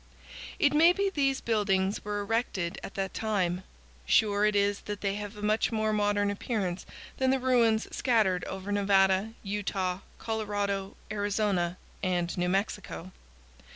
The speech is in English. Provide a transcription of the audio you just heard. It may be these buildings were erected at that time; sure it is that they have a much more modern appearance than the ruins scattered over Nevada, Utah, Colorado, Arizona, and New Mexico.